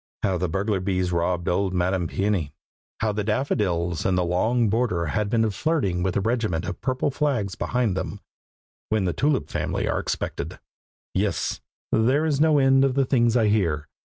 How the burglar bees robbed old Madam Peony, how the daffodils in the long border had been flirting with the regiment of purple flags behind them, when the Tulip family are expected; yes, there is no end to the things I hear.